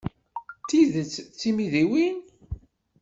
D tidet d timidiwin?